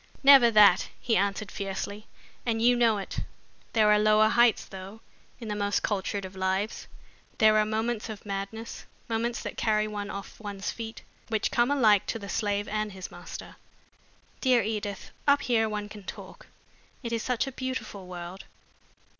"Never that," he answered fiercely, "and you know it. There are lower heights, though, in the most cultured of lives. There are moments of madness, moments that carry one off one's feet, which come alike to the slave and his master. Dear Edith, up here one can talk. It is such a beautiful world.